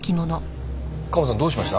カモさんどうしました？